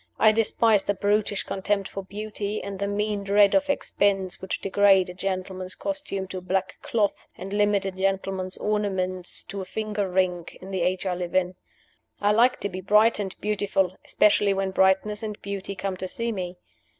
I despise the brutish contempt for beauty and the mean dread of expense which degrade a gentleman's costume to black cloth, and limit a gentleman's ornaments to a finger ring, in the age I live in. I like to be bright and I beautiful, especially when brightness and beauty come to see me.